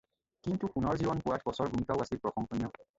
কিন্তু পুনৰ্জীৱন পোৱা কচৰ ভূমিকাও আছিল প্ৰশংসনীয়।